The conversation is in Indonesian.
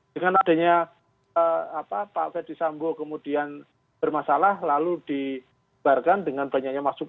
dengan adanya pak fethi sambo kemudian bermasalah lalu dibarkan dengan banyaknya masuk